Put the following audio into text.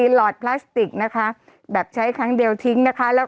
๔หลอดพลาสติกแบบใช้ครั้งเดียวทิ้ง